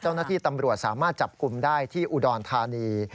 เจ้าหน้าที่ตำรวจสามารถจับกลุ่มได้ที่อุดรธานี